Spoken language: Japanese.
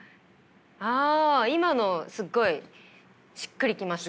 あ今のすっごいしっくり来ました。